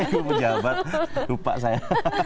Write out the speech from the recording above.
ibu pejabat lupa saya